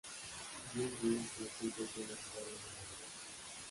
Jane Wilde nació y creció en la ciudad de Nueva York.